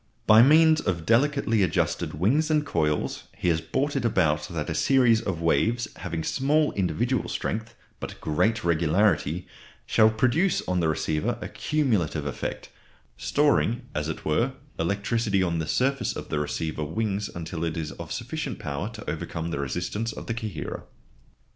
By means of delicately adjusted "wings" and coils he has brought it about that a series of waves having small individual strength, but great regularity, shall produce on the receiver a cumulative effect, storing, as it were, electricity on the surface of the receiver "wings" until it is of sufficient power to overcome the resistance of the coherer.